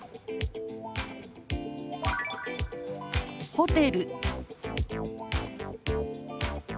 「ホテル」。